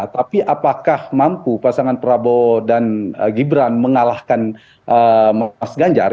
tapi apakah mampu pasangan prabowo dan gibran mengalahkan mas ganjar